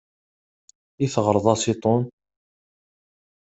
I teɣreḍ-as i Tom?